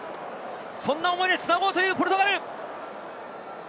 そんな思いで繋ごうというポルトガル。